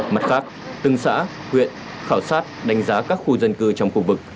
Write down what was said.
mặt khác từng xã huyện khảo sát đánh giá các khu dân cư trong khu vực